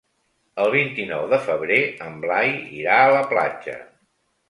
El vint-i-nou de febrer en Blai irà a la platja.